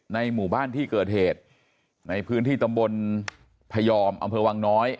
หมู่บ้านที่เกิดเหตุในพื้นที่ตำบลพยอมอำเภอวังน้อย